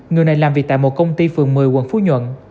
người này làm việc tại một công ty phường một mươi quận phú nhuận